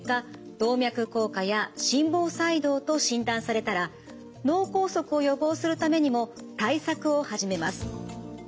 動脈硬化や心房細動と診断されたら脳梗塞を予防するためにも対策を始めます。